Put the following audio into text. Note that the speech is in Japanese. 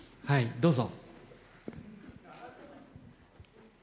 どうぞ。